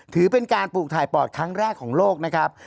ถือเป็นการปลูกถ่ายปอดครั้งแรกของโลกนะครับ